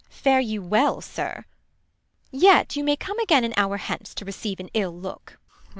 Beat. Fare you well, sir ! yet you May come again an hour hence, to receive An ill look.